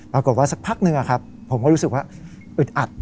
ปรากฏว่าสักพักหนึ่งอะครับผมก็รู้สึกว่าอึดอัด